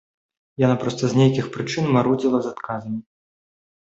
Яна проста з нейкіх прычын марудзіла з адказам.